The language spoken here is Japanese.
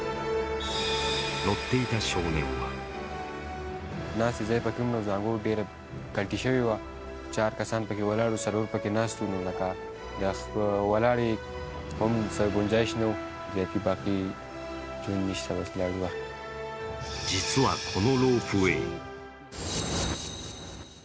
乗っていた少年は実はこのロープウエー